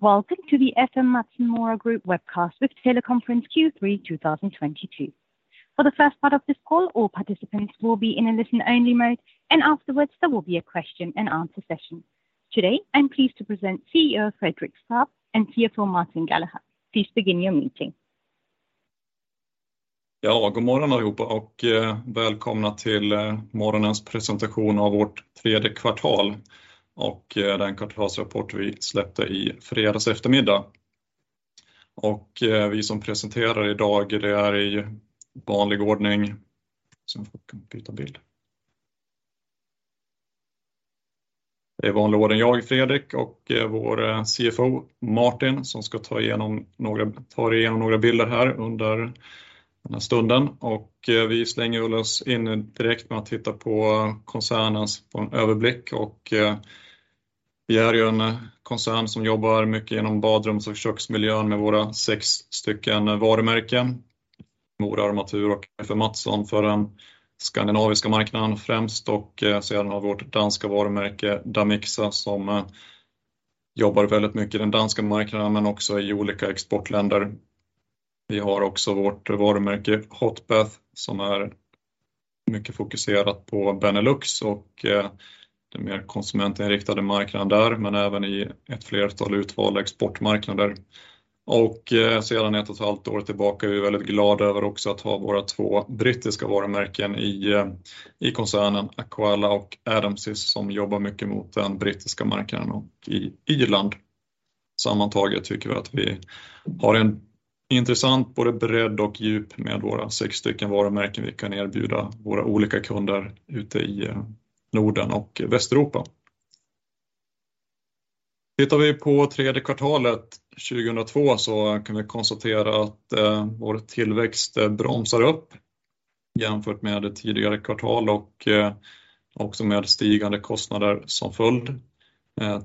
Welcome to the FM Mattsson Mora Group webcast with teleconference Q3 2022. For the first part of this call, all participants will be in a listen only mode, and afterwards there will be a question and answer session. Today, I'm pleased to present CEO Fredrik Skarp and CFO Martin Gallacher. Please begin your meeting. Ja, god morgon allihopa och välkomna till morgonens presentation av vårt tredje kvartal och den kvartalsrapport vi släppte i fredags eftermiddag. Vi som presenterar i dag, det är i vanlig ordning. Så ska man kunna byta bild. Det är vanlig ordning jag, Fredrik och vår CFO Martin, som ska ta igenom några bilder här under den här stunden. Vi slänger väl oss in direkt med att titta på koncernens på en överblick. Vi är ju en koncern som jobbar mycket igenom badrum och köksmiljön med våra sex stycken varumärken. Mora Armatur och FM Mattsson för den skandinaviska marknaden främst och sedan har vårt danska varumärke Damixa som jobbar väldigt mycket i den danska marknaden, men också i olika exportländer. Vi har också vårt varumärke Hotbath som är mycket fokuserat på Benelux och den mer konsumentinriktade marknaden där, men även i ett flertal utvalda exportmarknader. Sedan 1.5 år tillbaka är vi väldigt glada över också att ha våra 2 brittiska varumärken i koncernen Aqualla och Adamsez som jobbar mycket mot den brittiska marknaden och i Irland. Sammantaget tycker vi att vi har en intressant både bredd och djup med våra 6 varumärken vi kan erbjuda våra olika kunder ute i Norden och Västeuropa. Tittar vi på tredje kvartalet 2022 så kan vi konstatera att vår tillväxt bromsar upp jämfört med tidigare kvartal och också med stigande kostnader som följd.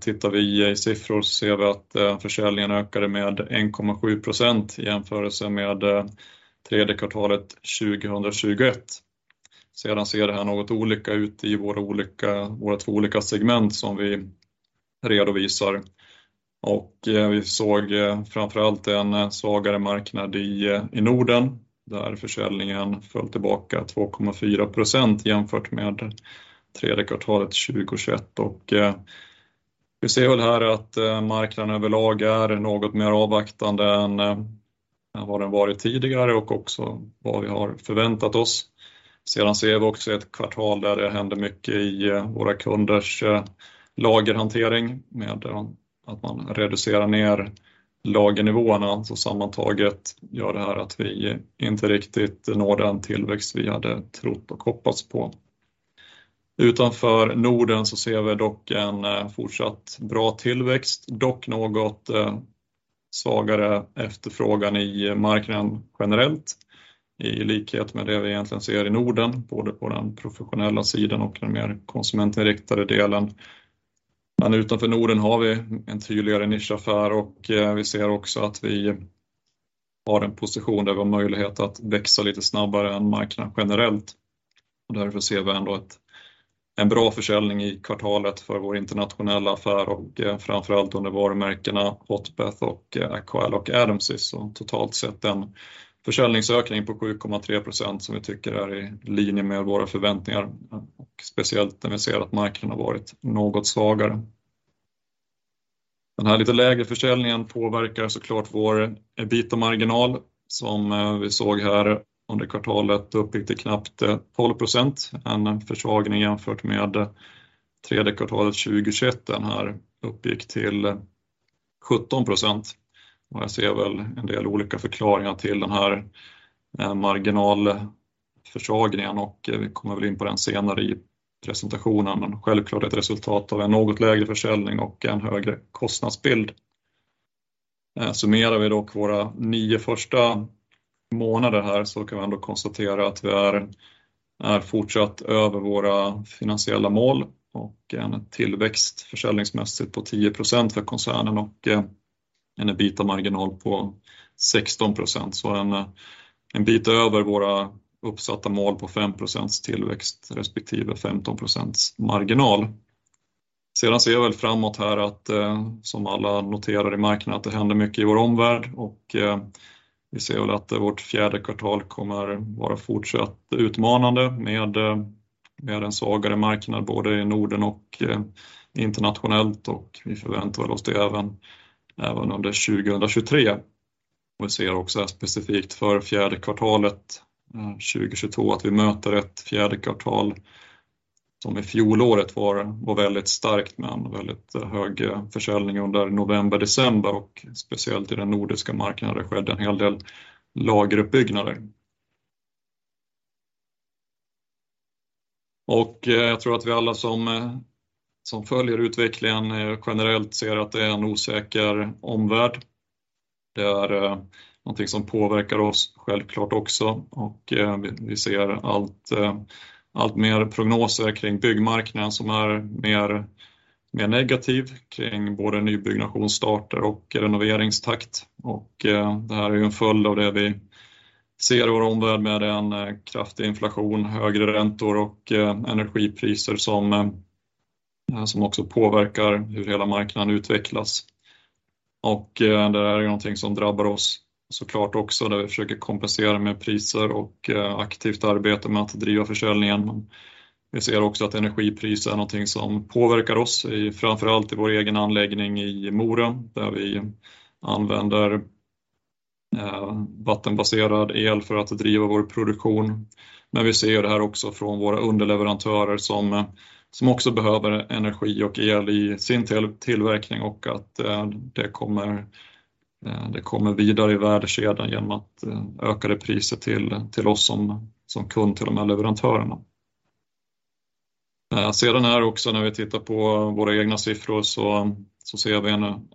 Tittar vi i siffror så ser vi att försäljningen ökade med 1.7% i jämförelse med tredje kvartalet 2021. Sedan ser det här något olika ut i våra 2 segment som vi redovisar. Vi såg framför allt en svagare marknad i Norden, där försäljningen föll tillbaka 2.4% jämfört med tredje kvartalet 2021. Vi ser väl här att marknaden överlag är något mer avvaktande än vad den varit tidigare och också vad vi har förväntat oss. Ser vi också ett kvartal där det händer mycket i våra kunders lagerhantering med att man reducerar ner lagernivåerna. Sammantaget gör det här att vi inte riktigt når den tillväxt vi hade trott och hoppats på. Utanför Norden ser vi dock en fortsatt bra tillväxt, dock något svagare efterfrågan i marknaden generellt. I likhet med det vi egentligen ser i Norden, både på den professionella sidan och den mer konsumentinriktade delen. Utanför Norden har vi en tydligare nicheaffär och vi ser också att vi har en position där vi har möjlighet att växa lite snabbare än marknaden generellt. Därför ser vi ändå en bra försäljning i kvartalet för vår internationella affär och framför allt under varumärkena Hotbath och Aqualla och Adamsez. Totalt sett en försäljningsökning på 7.3% som vi tycker är i linje med våra förväntningar. Speciellt när vi ser att marknaden har varit något svagare. Den här lite lägre försäljningen påverkar så klart vår EBITA-marginal som vi såg här under kvartalet uppgick till knappt 12%. En försvagning jämfört med tredje kvartalet 2021. Den här uppgick till 17%. Jag ser väl en del olika förklaringar till den här marginalförsvagningen och vi kommer väl in på den senare i presentationen. Självklart ett resultat av en något lägre försäljning och en högre kostnadsbild. Summerar vi dock våra 9 första månader här så kan vi ändå konstatera att vi är fortsatt över våra finansiella mål och en tillväxt försäljningsmässigt på 10% för koncernen och en EBITA-marginal på 16%. En bit över våra uppsatta mål på 5% tillväxt respektive 15% marginal. Ser jag väl framåt här att som alla noterar i marknaden att det händer mycket i vår omvärld och vi ser väl att vårt fjärde kvartal kommer vara fortsatt utmanande med en svagare marknad både i Norden och internationellt. Vi förväntar väl oss det även under 2023. Vi ser också specifikt för fjärde kvartalet 2022 att vi möter ett fjärde kvartal som i fjolåret var väldigt starkt med en väldigt hög försäljning under november, december och speciellt i den nordiska marknaden. Det skedde en hel del lageruppbyggnader. Jag tror att vi alla som följer utvecklingen generellt ser att det är en osäker omvärld. Det är någonting som påverkar oss självklart också. Vi ser allt mer prognoser kring byggmarknaden som är mer negativ kring både nybyggnationsstarter och renoveringstakt. Det här är ju en följd av det vi ser vår omvärld med en kraftig inflation, högre räntor och energipriser som också påverkar hur hela marknaden utvecklas. Det är någonting som drabbar oss såklart också där vi försöker kompensera med priser och aktivt arbete med att driva försäljningen. Vi ser också att energipris är någonting som påverkar oss i framför allt i vår egen anläggning i Mora, där vi använder vattenbaserad el för att driva vår produktion. Vi ser det här också från våra underleverantörer som också behöver energi och el i sin tillverkning och att det kommer vidare i värdekedjan genom ökade priser till oss som kund till de här leverantörerna. Sedan är det också när vi tittar på våra egna siffror så ser vi en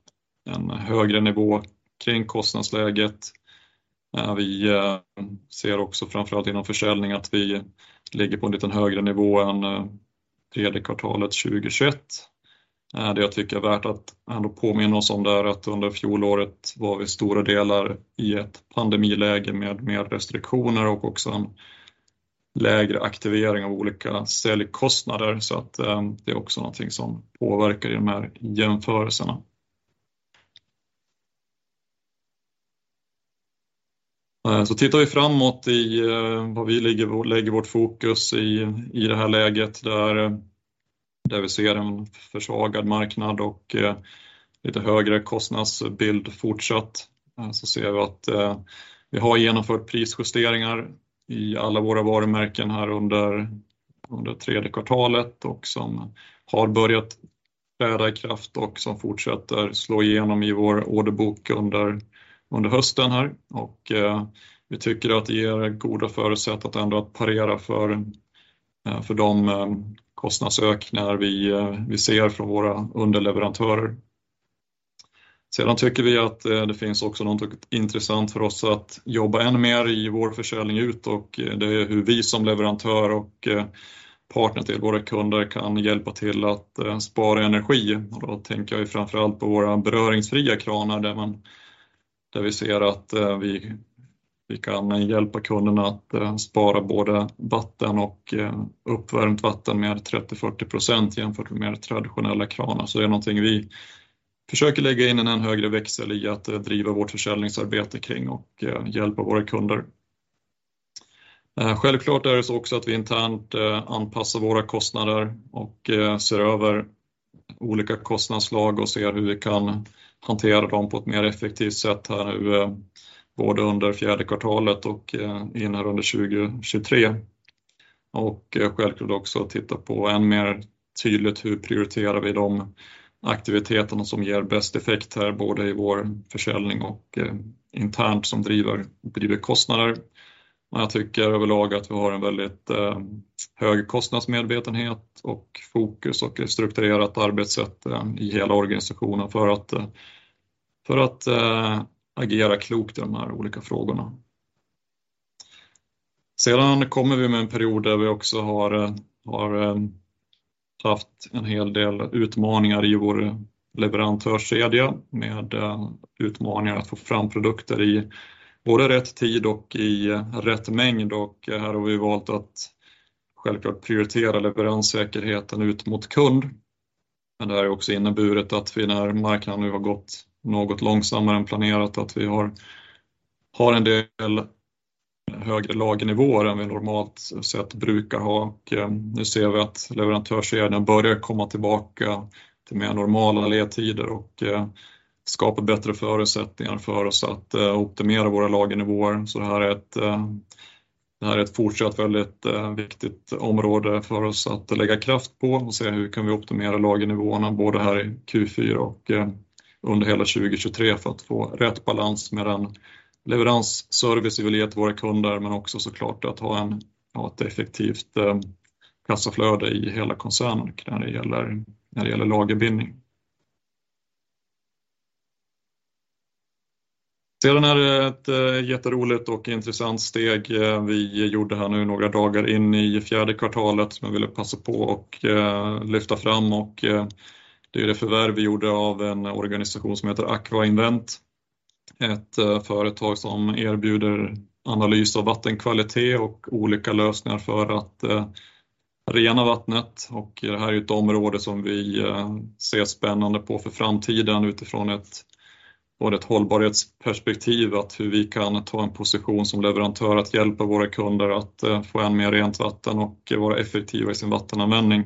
högre nivå kring kostnadsläget. Vi ser också framför allt inom försäljning att vi ligger på en lite högre nivå än tredje kvartalet 2021. Det jag tycker är värt att ändå påminna oss om där att under fjolåret var vi stora delar i ett pandemiläge med restriktioner och också lägre aktivering av olika säljkostnader. Det är också någonting som påverkar i de här jämförelserna. Tittar vi framåt i vad vi ligger, lägger vårt fokus i i det här läget där vi ser en försvagad marknad och lite högre kostnadsbild fortsatt. Ser vi att vi har genomfört prisjusteringar i alla våra varumärken här under tredje kvartalet och som har börjat träda i kraft och som fortsätter slå igenom i vår orderbok under hösten här. Vi tycker att det ger goda förutsättningar att ändå parera för de kostnadsökningar vi ser från våra underleverantörer. Tycker vi att det finns också något intressant för oss att jobba än mer i vår försäljning ut. Det är hur vi som leverantör och partner till våra kunder kan hjälpa till att spara energi. Tänker jag framför allt på våra beröringsfria kranar där vi ser att vi kan hjälpa kunderna att spara både vatten och uppvärmt vatten med 30%-40% jämfört med traditionella kranar. Det är någonting vi försöker lägga in en ännu högre växel i att driva vårt försäljningsarbete kring och hjälpa våra kunder. Självklart är det så också att vi internt anpassar våra kostnader och ser över olika kostnadsslag och ser hur vi kan hantera dem på ett mer effektivt sätt här över både under fjärde kvartalet och in här under 2023. Självklart också titta på ännu mer tydligt hur vi prioriterar de aktiviteterna som ger bäst effekt här, både i vår försäljning och internt som driver kostnader. Jag tycker överlag att vi har en väldigt hög kostnadsmedvetenhet och fokus och strukturerat arbetssätt i hela organisationen för att agera klokt i de här olika frågorna. Vi kommer med en period där vi också har haft en hel del utmaningar i vår leverantörskedja med utmaningar att få fram produkter i både rätt tid och i rätt mängd. Här har vi valt att självklart prioritera leveranssäkerheten ut mot kund. Det har också inneburit att vi när marknaden har gått något långsammare än planerat, att vi har en del högre lagernivåer än vi normalt sett brukar ha. Nu ser vi att leverantörskedjan börjar komma tillbaka till mer normala ledtider och skapa bättre förutsättningar för oss att optimera våra lagernivåer. Det här är ett fortsatt väldigt viktigt område för oss att lägga kraft på och se hur kan vi optimera lagernivåerna både här i Q4 och under hela 2023 för att få rätt balans med den leveransservice vi vill ge till våra kunder, men också så klart att ha en, ja, ett effektivt kassaflöde i hela koncernen när det gäller lagerbindning. Det är ett jätteroligt och intressant steg vi gjorde här nu några dagar in i fjärde kvartalet som jag ville passa på och lyfta fram. Det är det förvärv vi gjorde av en organisation som heter Aqua Invent. Ett företag som erbjuder analys av vattenkvalitet och olika lösningar för att rena vattnet. Det här är ett område som vi ser spännande på för framtiden utifrån både ett hållbarhetsperspektiv, att hur vi kan ta en position som leverantör att hjälpa våra kunder att få ännu mer rent vatten och vara effektiva i sin vattenanvändning.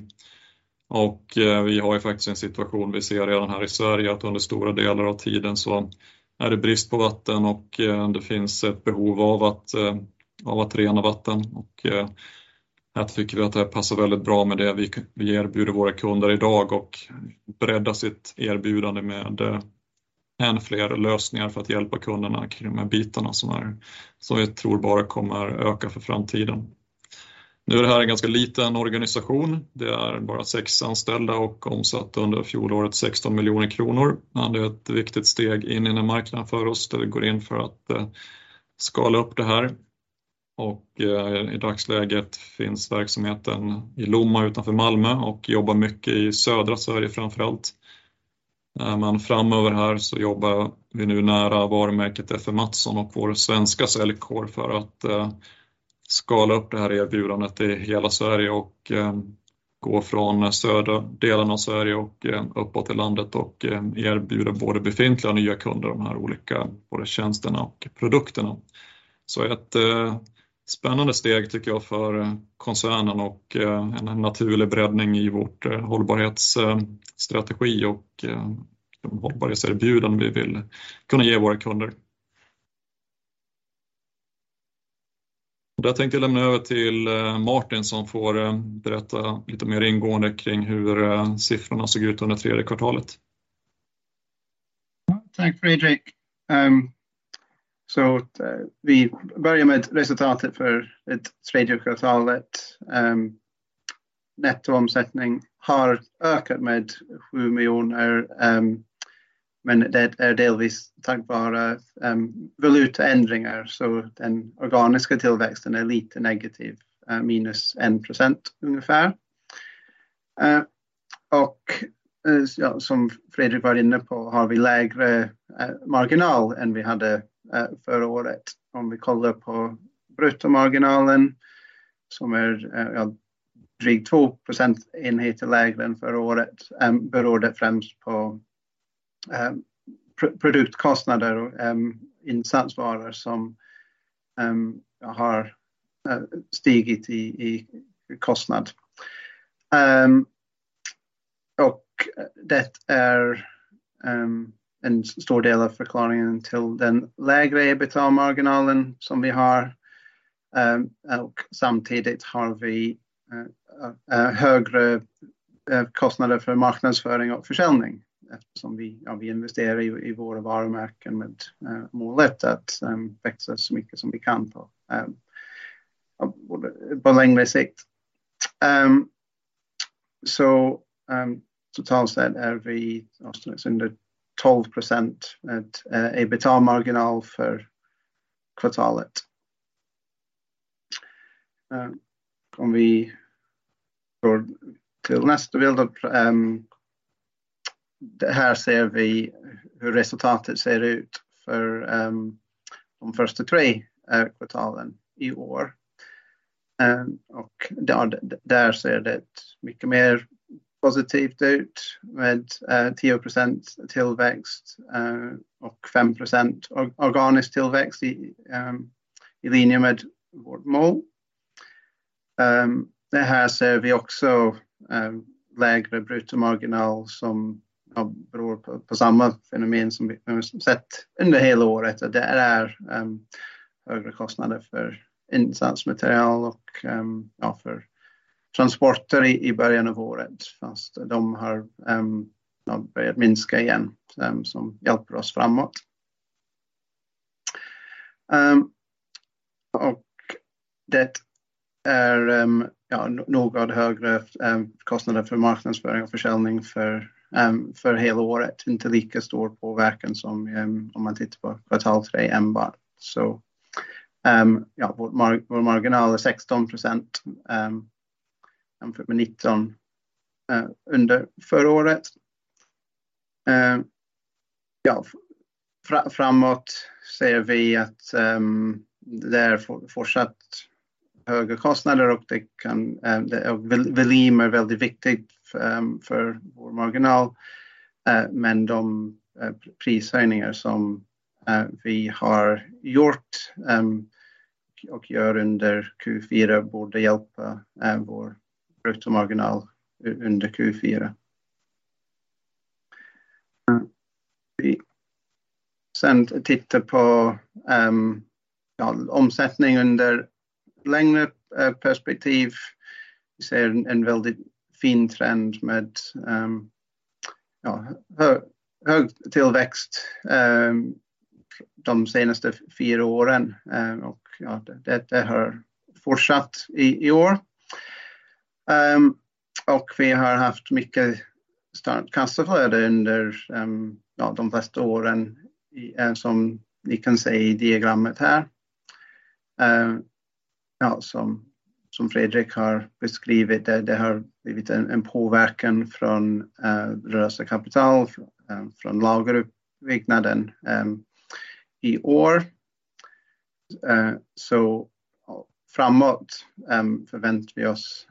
Vi har ju faktiskt en situation vi ser redan här i Sverige att under stora delar av tiden så är det brist på vatten och det finns ett behov av att rena vatten. Här tycker vi att det passar väldigt bra med det vi erbjuder våra kunder idag och bredda sitt erbjudande med ännu fler lösningar för att hjälpa kunderna kring de här bitarna som är, som vi tror bara kommer öka för framtiden. Nu är det här en ganska liten organisation. Det är bara 6 anställda och omsatte under fjolåret 16 miljoner kronor. Det är ett viktigt steg in i den marknaden för oss där vi går in för att skala upp det här. I dagsläget finns verksamheten i Lomma utanför Malmö och jobbar mycket i södra Sverige framför allt. Framöver här så jobbar vi nu nära varumärket FM Mattsson och vår svenska säljkår för att skala upp det här erbjudandet i hela Sverige och gå från södra delen av Sverige och uppåt i landet och erbjuda både befintliga och nya kunder de här olika både tjänsterna och produkterna. Ett spännande steg tycker jag för koncernen och en naturlig breddning i vårt hållbarhetsstrategi och hållbarhetserbjudande vi vill kunna ge våra kunder. Det tänkte jag lämna över till Martin som får berätta lite mer ingående kring hur siffrorna såg ut under tredje kvartalet. Tack Fredrik. Vi börjar med resultatet för det tredje kvartalet. Nettoomsättning har ökat med 7 million, men det är delvis tack vare valutaändringar. Den organiska tillväxten är lite negativ, -1% ungefär. Som Fredrik var inne på har vi lägre marginal än vi hade förra året. Om vi kollar på bruttomarginalen som är drygt 2 procentenheter lägre än förra året beror det främst på produktkostnader, insatsvaror som har stigit i kostnad. Det är en stor del av förklaringen till den lägre EBITA-marginalen som vi har. Samtidigt har vi högre kostnader för marknadsföring och försäljning eftersom vi investerar i våra varumärken med målet att växa så mycket som vi kan på längre sikt. Totalt sett är vi under 12% EBITA-marginal för kvartalet. Om vi går till nästa bild. Här ser vi hur resultatet ser ut för de första tre kvartalen i år. Där ser det mycket mer positivt ut med 10% tillväxt och 5% organisk tillväxt i linje med vårt mål. Det här ser vi också lägre bruttomarginal som beror på samma fenomen som vi har sett under hela året. Det är högre kostnader för insatsmaterial och för transporter i början av året. De har börjat minska igen som hjälper oss framåt. Det är något högre kostnader för marknadsföring och försäljning för hela året. Inte lika stor påverkan som om man tittar på kvartal tre enbart. Vår marginal är 16% jämfört med 19% under förra året. Framåt ser vi att det är fortsatt högre kostnader och det kan, volym är väldigt viktigt för vår marginal. De prishöjningar som vi har gjort och gör under Q4 borde hjälpa vår bruttomarginal under Q4. Vi sedan tittar på omsättning under längre perspektiv. Vi ser en väldigt fin trend med hög tillväxt de senaste fyra åren och det har fortsatt i år. Vi har haft mycket starkt kassaflöde under de bästa åren som ni kan se i diagrammet här. Som Fredrik har beskrivit, det har blivit en påverkan från rörligt kapital, från lagerutbyggnaden i år. Framåt förväntar vi oss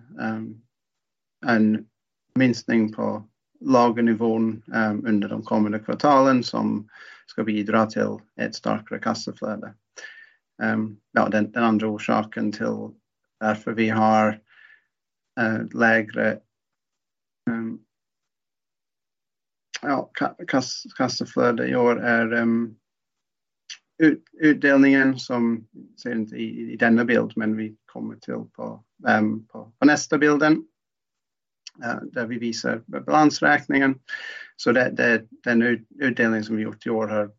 en minskning på lagernivån under de kommande kvartalen som ska bidra till ett starkare kassaflöde. Den andra orsaken till varför vi har lägre kassaflöde i år är utdelningen som vi ser inte i denna bild, men vi kommer till på nästa bilden. Där vi visar balansräkningen. Det är den utdelning som vi gjort i år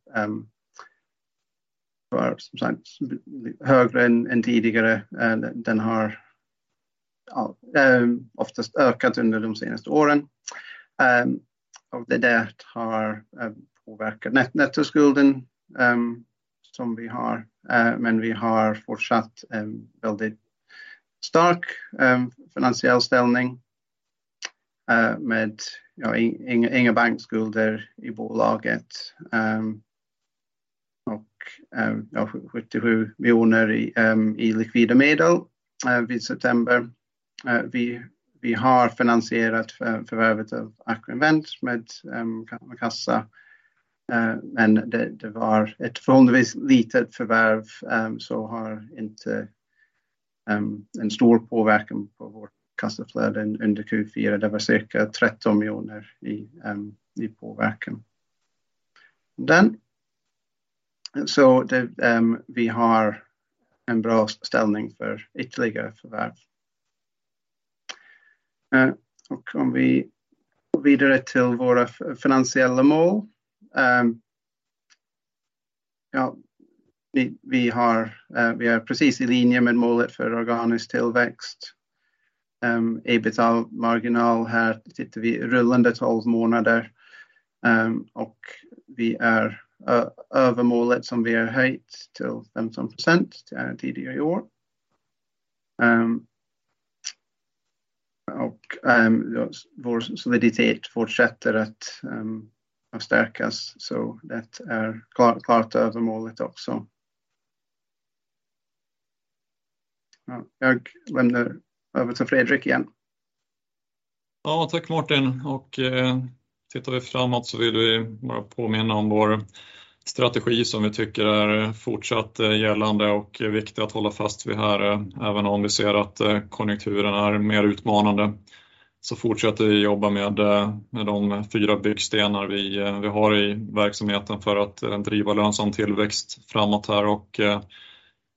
var som sagt högre än tidigare. Den har oftast ökat under de senaste åren. Det där har påverkat nettoskulden. Som vi har, men vi har fortsatt en väldigt stark, finansiell ställning. Inga bankskulder i bolaget. 77 miljoner i likvida medel vid september. Vi har finansierat förvärvet av Aqua Invent med kassa. Det var ett förhållandevis litet förvärv, så har inte en stor påverkan på vårt kassaflöde under Q4. Det var cirka SEK 13 miljoner i påverkan. Vi har en bra ställning för ytterligare förvärv. Om vi går vidare till våra finansiella mål. Vi är precis i linje med målet för organisk tillväxt. EBITA-marginal. Här sitter vi rullande 12 månader, och vi är över målet som vi har höjt till 15% tidigare i år. Vår soliditet fortsätter att stärkas, så det är klart över målet också. Jag lämnar över till Fredrik igen. Ja, tack Martin. Tittar vi framåt så vill vi bara påminna om vår strategi som vi tycker är fortsatt gällande och viktigt att hålla fast vid här. Även om vi ser att konjunkturen är mer utmanande, så fortsätter vi jobba med de fyra byggstenar vi har i verksamheten för att driva lönsam tillväxt framåt här.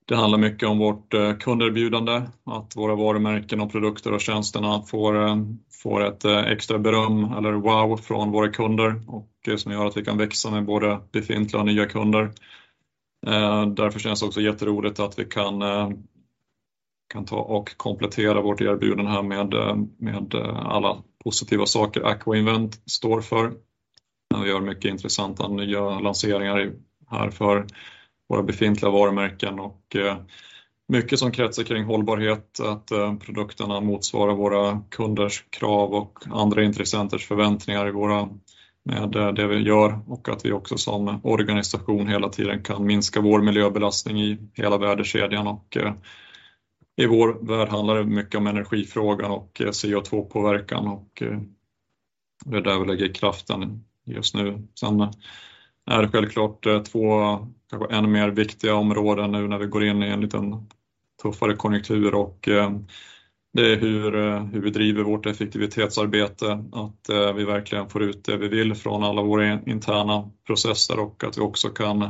Det handlar mycket om vårt kunderbjudande, att våra varumärken och produkter och tjänsterna får ett extra beröm eller wow från våra kunder. Som gör att vi kan växa med både befintliga och nya kunder. Därför känns det också jätteroligt att vi kan ta och komplettera vårt erbjudande här med alla positiva saker Aqua Invent står för. Vi har mycket intressanta nya lanseringar här för våra befintliga varumärken och mycket som kretsar kring hållbarhet. Produkterna motsvarar våra kunders krav och andra intressenters förväntningar i våra, med det vi gör och att vi också som organisation hela tiden kan minska vår miljöbelastning i hela värdekedjan. I vår värld handlar det mycket om energifrågan och CO2-påverkan och det är där vi lägger kraften just nu. Det är självklart två kanske än mer viktiga områden nu när vi går in i en lite tuffare konjunktur och det är hur vi driver vårt effektivitetsarbete. Vi verkligen får ut det vi vill från alla våra interna processer och att vi också kan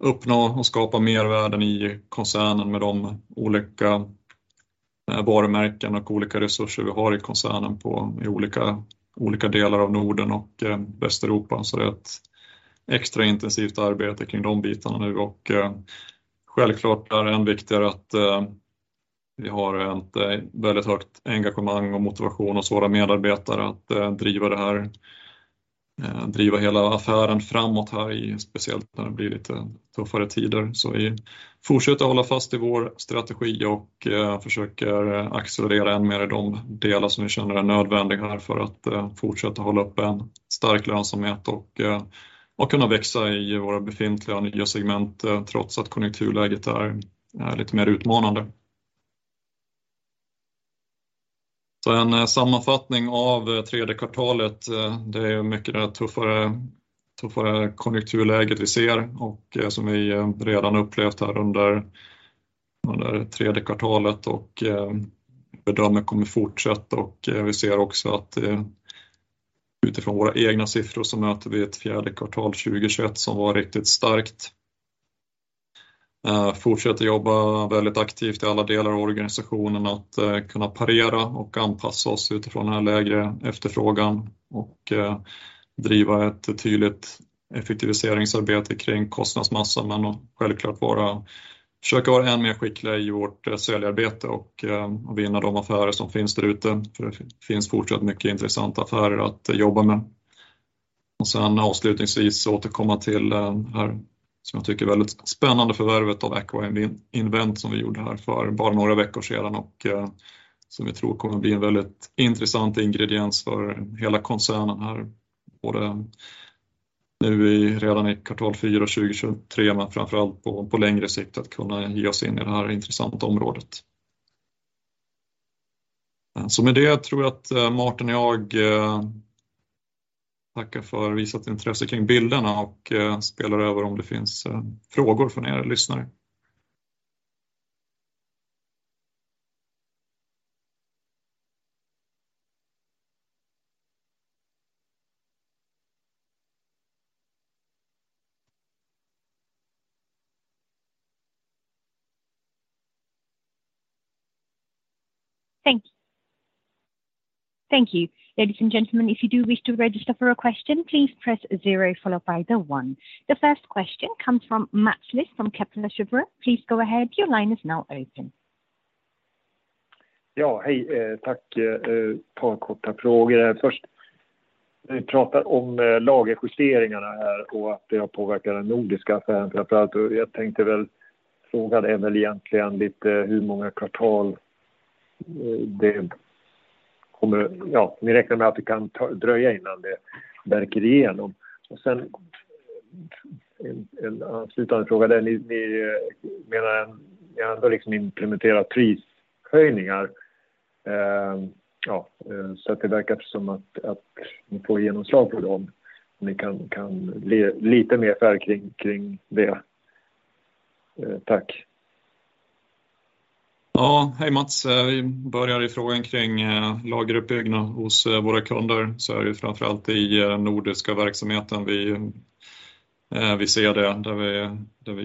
uppnå och skapa mervärden i koncernen med de olika varumärken och olika resurser vi har i koncernen på, i olika delar av Norden och Västeuropa. Det är ett extra intensivt arbete kring de bitarna nu. Självklart är det ännu viktigare att vi har ett väldigt högt engagemang och motivation hos våra medarbetare att driva det här, driva hela affären framåt här i, speciellt när det blir lite tuffare tider. Vi fortsätter att hålla fast i vår strategi och försöker accelerera ännu mer i de delar som vi känner är nödvändiga här för att fortsätta hålla upp en stark lönsamhet och kunna växa i våra befintliga och nya segment, trots att konjunkturläget är lite mer utmanande. En sammanfattning av tredje kvartalet, det är mycket det tuffare konjunkturläget vi ser och som vi redan upplevt här under det tredje kvartalet och bedömer kommer fortsätta. Vi ser också att utifrån våra egna siffror så möter vi ett fjärde kvartal 2021 som var riktigt starkt. Fortsätter jobba väldigt aktivt i alla delar av organisationen att kunna parera och anpassa oss utifrån den här lägre efterfrågan och driva ett tydligt effektiviseringsarbete kring kostnadsmassan. Men självklart försöka vara än mer skickliga i vårt säljarbete och vinna de affärer som finns där ute. För det finns fortsatt mycket intressanta affärer att jobba med. Och sen avslutningsvis återkomma till det här, som jag tycker väldigt spännande förvärvet av Aqua Invent som vi gjorde här för bara några veckor sedan och som vi tror kommer bli en väldigt intressant ingrediens för hela koncernen här. Både nu, redan i kvartal fyra 2023, men framför allt på längre sikt att kunna ge oss in i det här intressanta området. Så med det tror jag att Martin och jag tackar för visat intresse kring bilderna och spelar över om det finns frågor från er lyssnare. Thank you. Thank you. Ladies and gentlemen, if you do wish to register for a question, please press 0 followed by the 1. The first question comes from Mats Liss from Kepler Cheuvreux. Please go ahead. Your line is now open. Ja, hej, tack. Ett par korta frågor. Först, ni pratar om lagerjusteringarna här och att det har påverkat den nordiska affären framför allt. Jag tänkte väl fråga dig, Fredrik Skarp, egentligen lite hur många kvartal det kommer, ja, ni räknar med att det kan ta dröja innan det verkar igenom. Sen en avslutande fråga där, ni menar att ni ändå implementerar prishöjningar. Ja, så att det verkar som att ni får genomslag på dem. Om ni kan lite mer kring det. Tack. Ja, hej Mats. Vi börjar i frågan kring lageruppbyggnad hos våra kunder. Det är framför allt i nordiska verksamheten. Vi ser det där vi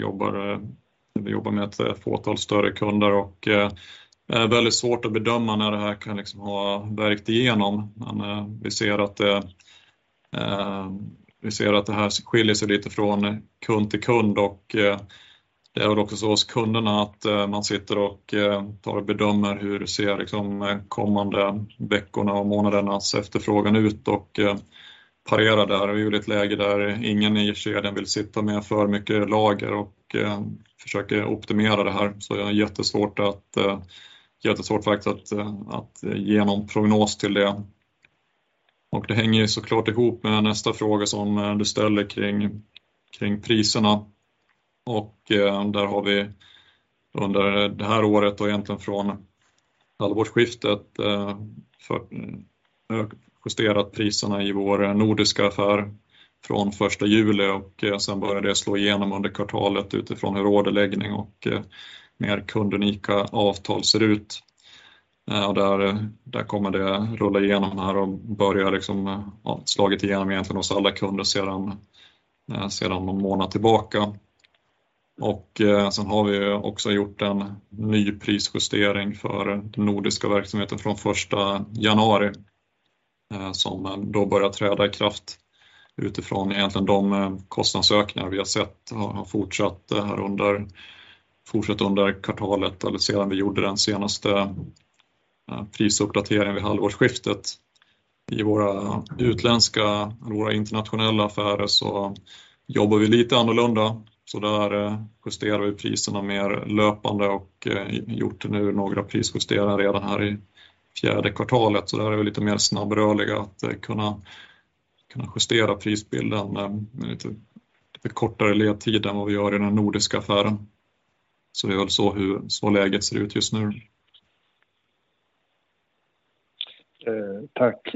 jobbar med ett fåtal större kunder. Det är väldigt svårt att bedöma när det här kan liksom ha verkat igenom. Vi ser att det här skiljer sig lite från kund till kund. Det är väl också så hos kunderna att man sitter och tar och bedömer hur ser liksom kommande veckorna och månadernas efterfrågan ut och parerar där. Vi är i ett läge där ingen i kedjan vill sitta med för mycket lager och försöker optimera det här. Jag har jättesvårt faktiskt att ge någon prognos till det. Det hänger såklart ihop med nästa fråga som du ställer kring priserna. Där har vi under det här året och egentligen från halvårsskiftet justerat priserna i vår nordiska affär från första juli. Började det slå igenom under kvartalet utifrån hur orderläggning och mer kundunika avtal ser ut. Där kommer det rulla igenom här och börjar liksom slagit igenom egentligen hos alla kunder sedan någon månad tillbaka. Har vi också gjort en ny prisjustering för den nordiska verksamheten från första januari. Som då börjar träda i kraft utifrån egentligen de kostnadsökningar vi har sett har fortsatt här under kvartalet. Eller sedan vi gjorde den senaste prisuppdateringen vid halvårsskiftet. I våra utländska, eller våra internationella affärer så jobbar vi lite annorlunda. Där justerar vi priserna mer löpande och gjort nu några prisjusteringar redan här i fjärde kvartalet. Där är vi lite mer snabbrörliga att kunna justera prisbilden med lite kortare ledtider än vad vi gör i den nordiska affären. Det är väl så. Läget ser ut just nu. Tack.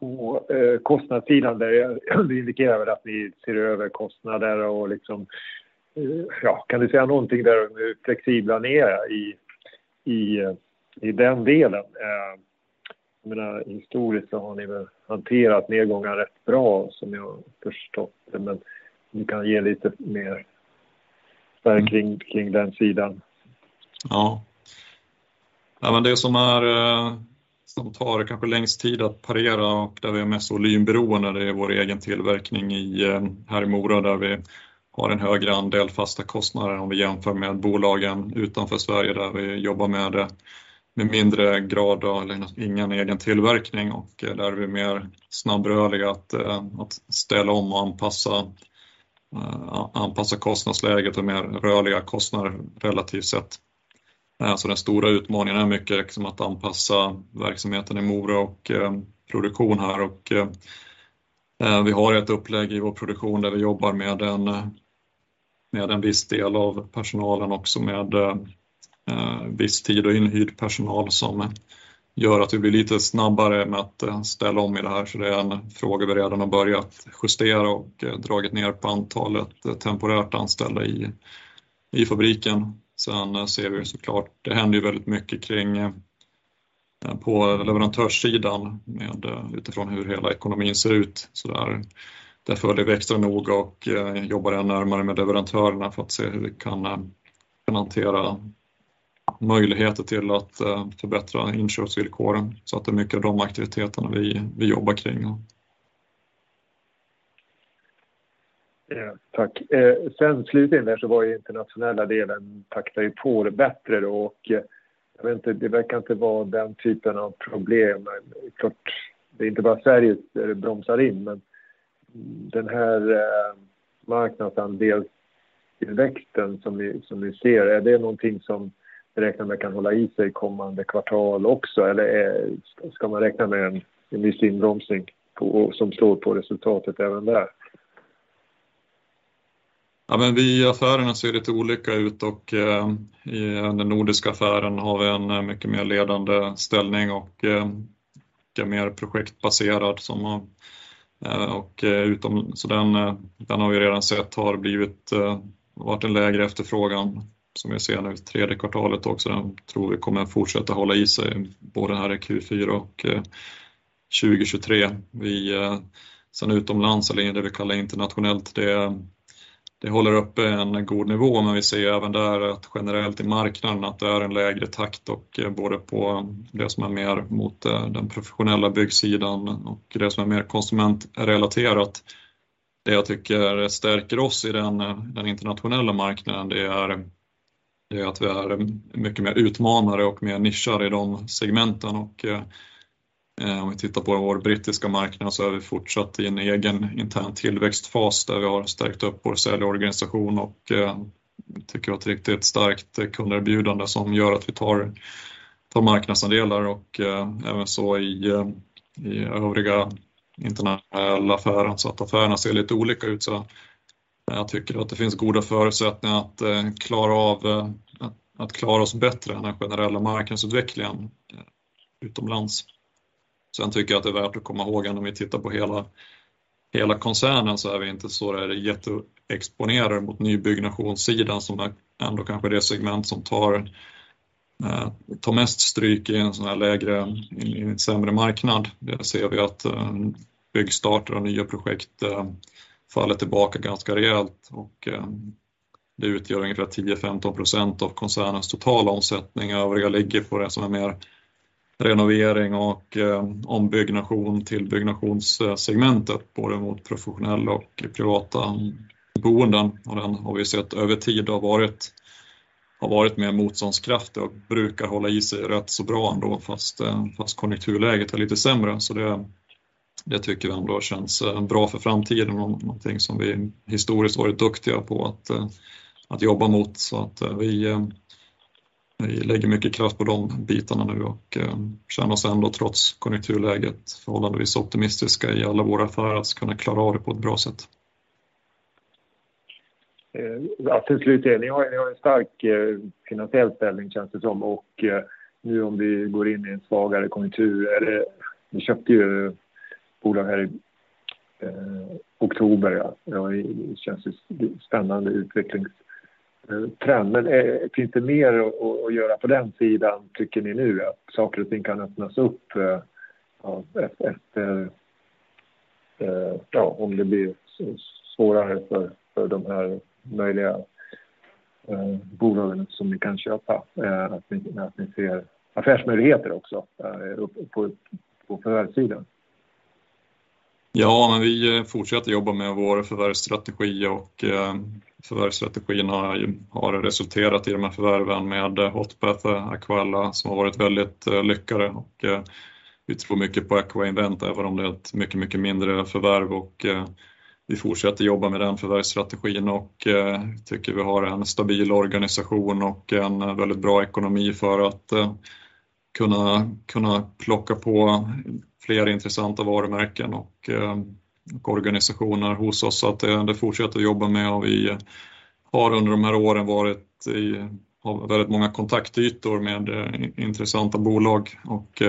På kostnadssidan där indikerar väl att ni ser över kostnader och liksom. Ja, kan du säga någonting där? Hur flexibla ni är i den delen? Jag menar historiskt så har ni väl hanterat nedgångar rätt bra som jag förstått det, men om du kan ge lite mer kring den sidan. Ja. Nej men det som är, som tar kanske längst tid att parera och där vi är mest volymberoende, det är vår egen tillverkning i, här i Mora, där vi har en högre andel fasta kostnader om vi jämför med bolagen utanför Sverige, där vi jobbar med mindre grad eller ingen egen tillverkning. Där är vi mer snabbrörliga att ställa om och anpassa kostnadsläget och mer rörliga kostnader relativt sett. Den stora utmaningen är mycket att anpassa verksamheten i Mora och produktion här. Vi har ett upplägg i vår produktion där vi jobbar med en viss del av personalen också, med viss tid och inhyrd personal som gör att vi blir lite snabbare med att ställa om i det här. Det är en fråga vi redan har börjat justera och dragit ner på antalet temporärt anställda i fabriken. Ser vi så klart, det händer ju väldigt mycket på leverantörssidan med utifrån hur hela ekonomin ser ut. Där följer vi extra noga och jobbar även närmare med leverantörerna för att se hur vi kan hantera möjligheter till att förbättra inköpsvillkoren. Det är mycket de aktiviteterna vi vi jobbar kring. Tack. Slutligen, den internationella delen växer ju betydligt bättre då. Jag vet inte, det verkar inte vara den typen av problem. Klart, det är inte bara Sverige som bromsar in, men den här marknadsandels tillväxten som ni ser, är det någonting som ni räknar med kan hålla i sig kommande kvartal också? Eller, ska man räkna med en viss inbromsning som slår på resultatet även där? Ja, men vi i affärerna ser det lite olika ut och i den nordiska affären har vi en mycket mer ledande ställning och mycket mer projektbaserad. Så den har vi redan sett varit en lägre efterfrågan som vi ser nu i tredje kvartalet också. Den tror vi kommer fortsätta hålla i sig både här i Q4 och 2023. Sen utomlands eller det vi kallar internationellt, det håller uppe en god nivå, men vi ser även där att generellt i marknaden att det är en lägre takt och både på det som är mer mot den professionella byggsidan och det som är mer konsumentrelaterat. Det jag tycker stärker oss i den internationella marknaden det är att vi är mycket mer utmanare och mer nischade i de segmenten. Om vi tittar på vår brittiska marknad så är vi fortsatt i en egen intern tillväxtfas där vi har stärkt upp vår säljorganisation och tycker att det är ett riktigt starkt kunderbjudande som gör att vi tar marknadsandelar och även så i övriga internationella affären. Affärerna ser lite olika ut. Jag tycker att det finns goda förutsättningar att klara oss bättre än den generella marknadsutvecklingen utomlands. Tycker jag att det är värt att komma ihåg ändå om vi tittar på hela koncernen så är vi inte så jätteexponerade mot nybyggnadssidan som ändå kanske är det segment som tar mest stryk i en sämre marknad. Där ser vi att byggstarten av nya projekt faller tillbaka ganska rejält och det utgör ungefär 10-15% av koncernens totala omsättning. Övriga ligger på det som är mer renovering och ombyggnation, tillbyggnationssegmentet, både mot professionell och privata boenden. Den har vi sett över tid har varit mer motståndskraftig och brukar hålla i sig rätt så bra ändå fast konjunkturläget är lite sämre. Det tycker vi ändå känns bra för framtiden. Någonting som vi historiskt varit duktiga på att jobba mot. Att vi lägger mycket kraft på de bitarna nu och känner oss ändå trots konjunkturläget förhållandevis optimistiska i alla våra affärer att kunna klara av det på ett bra sätt. Alltså en slutdel. Ni har en stark finansiell ställning känns det som. Nu om vi går in i en svagare konjunktur. Ni köpte ju bolag här i oktober. Det känns ju spännande utvecklingstrend. Men finns det mer att göra på den sidan? Tycker ni nu att saker och ting kan öppnas upp? Ja, om det blir svårare för de här möjliga bolagen som ni kan köpa? Att ni ser affärsmöjligheter också på förvärvssidan. Ja, men vi fortsätter jobba med vår förvärvsstrategi och förvärvsstrategin har resulterat i de här förvärven med Hotbath, Aqualla, som har varit väldigt lyckade. Vi tror mycket på Aqua Invent, även om det är ett mycket mindre förvärv och vi fortsätter jobba med den förvärvsstrategin och tycker vi har en stabil organisation och en väldigt bra ekonomi för att kunna plocka på fler intressanta varumärken och organisationer hos oss. Det fortsätter att jobba med och vi har under de här åren har väldigt många kontaktytor med intressanta bolag och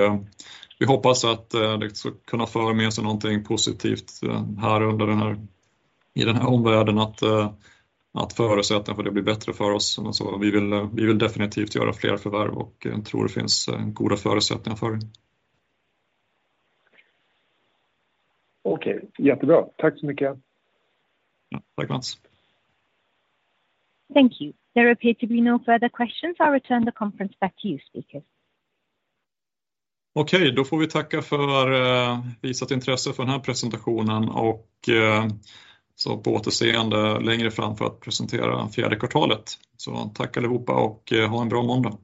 vi hoppas att det ska kunna föra med sig någonting positivt i den här omvärlden. Att förutsättningar för det blir bättre för oss. Vi vill definitivt göra fler förvärv och tror det finns goda förutsättningar för det. Okej, jättebra. Tack så mycket. Tack, Mats. Thank you. There appear to be no further questions. I'll return the conference back to you, speaker. Okej, då får vi tacka för visat intresse för den här presentationen och så på återseende längre fram för att presentera fjärde kvartalet. Tack allihopa och ha en bra måndag.